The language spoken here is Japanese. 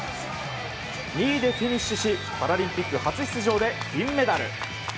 ２位でフィニッシュしパラリンピック初出場で銀メダル。